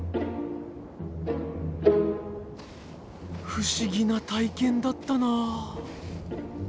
不思議な体験だったなぁ。